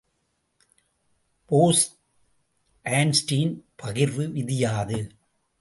Bose Einstein பகிர்வு விதி யாது?